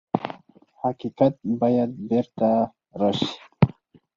حقیقت باید بېرته راشي.